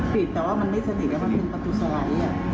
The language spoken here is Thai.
ปิดแต่ว่ามันไม่สนิทแล้วมันเป็นประตูสไลด์